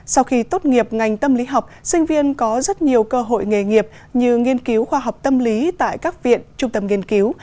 sau khi tốt nghiệp ngành tâm lý học sinh viên có rất nhiều cơ hội nghề nghiệp như nghiên cứu khoa học tâm lý tại các viện trung tâm nghiên cứu